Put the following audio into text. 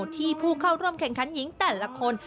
ผู้เข้าร่วมแข่งขันหญิงแต่ละคน